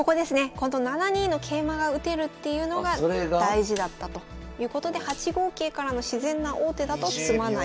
この７二の桂馬が打てるっていうのが大事だったということで８五桂からの自然な王手だと詰まない。